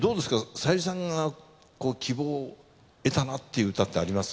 さゆりさんが希望を得たなって歌ってあります？